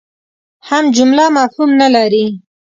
هم جمله مفهوم نه لري.